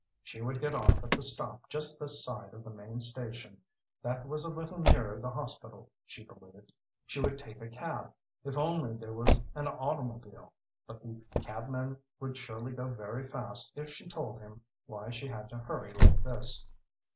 She would get off at the stop just this side of the main station that was a little nearer the hospital, she believed. She would take a cab if only there were an automobile! but the cabman would surely go very fast if she told him why she had to hurry like this.